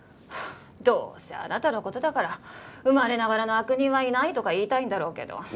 どうせあなたの事だから生まれながらの悪人はいないとか言いたいんだろうけど。